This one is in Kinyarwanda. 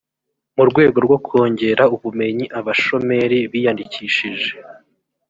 mu rwego rwo kongera ubumenyi abashomeri biyandikishije